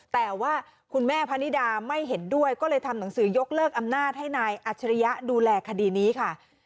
แต่ว่าคุณแม่พนิดาไม่เห็นด้วยก็เลยทำหนังสือยกเลิกอำนาจให้นายอัจฉริยะดูแลคดีนี้ค่ะ